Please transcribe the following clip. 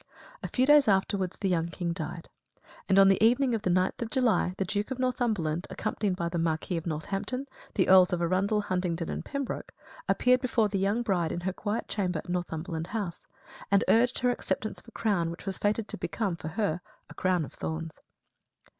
A few days afterwards the young king died; and on the evening of the 9th of July, the Duke of Northumberland, accompanied by the Marquis of Northampton, the Earls of Arundel, Huntingdon and Pembroke, appeared before the young bride in her quiet chamber at Northumberland House, and urged her acceptance of a crown which was fated to become, for her, a crown of thorns.